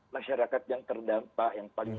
masyarakat yang terdampak yang paling